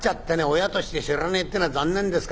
親として知らねえってのは残念ですからねぇ。